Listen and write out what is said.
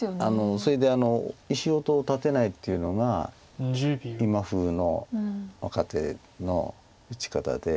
それで石音を立てないっていうのが今風の若手の打ち方で。